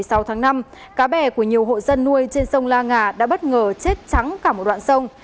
sáu tháng năm cá bè của nhiều hộ dân nuôi trên sông la nga đã bất ngờ chết trắng cả một đoạn sông